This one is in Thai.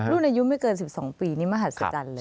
รุ่นอายุไม่เกิน๑๒ปีนี่มหัศจรรย์เลย